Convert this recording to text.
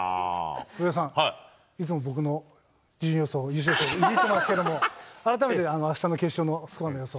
上田さん、いつも僕の予想、優勝予想、いじってますけども、改めて、あしたの決勝の予想